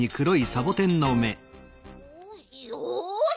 よし。